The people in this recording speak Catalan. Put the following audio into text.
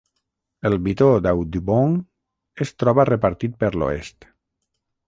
El bitó d'Audubon es troba repartit per l'oest.